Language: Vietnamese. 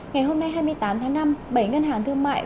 ngày hôm nay hai mươi tám tháng năm bảy ngân hàng thương mại